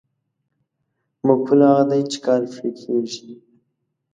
مفعول هغه دی چې کار پرې کېږي.